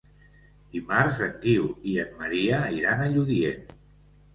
Dimarts en Guiu i en Maria iran a Lludient.